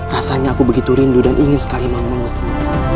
rasanya aku begitu rindu dan ingin sekali mau mengikmati